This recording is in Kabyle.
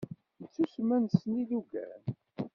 Nettusemma nessen ilugan.